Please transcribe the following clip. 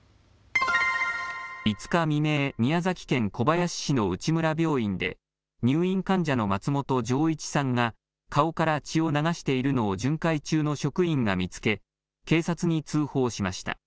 ５日未明、宮崎県小林市の内村病院で入院患者の松元丈一さんが顔から血を流しているのを巡回中の職員が見つけ警察に通報しました。